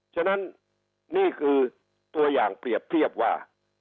ฉะนั้นนี่คือตัวอย่างเปรียบเทียบว่า